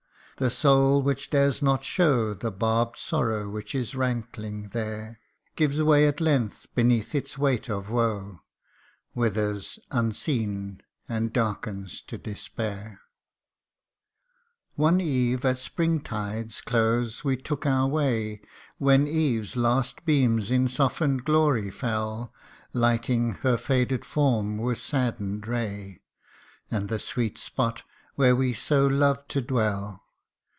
The soul which dares not show The barbed sorrow which is rankling there, Gives way at length beneath its weight of woe, Withers unseen, and darkens to despair !" One eve at spring tide's close we took our way, When eve's last beams in soften'd glory fell, Lighting her faded form with sadden'd ray, And the sweet spot where we so loved to dwell.